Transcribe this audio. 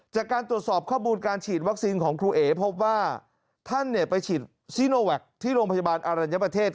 จากการตรวจสอบข้อมูลการฉีดวัคซีนของครูเอ๋พบว่าท่านไปฉีดซีโนแวคที่โรงพยาบาลอรัญญประเทศ